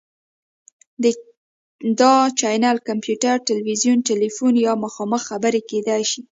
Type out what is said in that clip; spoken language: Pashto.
دا چینل کمپیوټر، تلویزیون، تیلیفون یا مخامخ خبرې کیدی شي.